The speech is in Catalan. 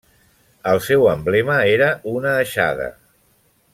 El seu emblema era una aixada.